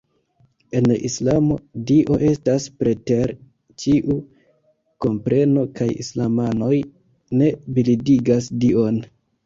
En Islamo, Dio estas preter ĉiu kompreno kaj islamanoj ne bildigas Dion.